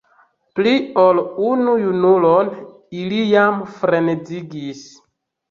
Pli ol unu junulon ili jam frenezigis.